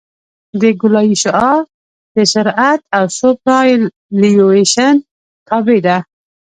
د ګولایي شعاع د سرعت او سوپرایلیویشن تابع ده